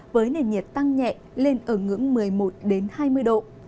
với nền nhiệt tăng nhẹ lên ở ngưỡng một mươi một hai mươi độ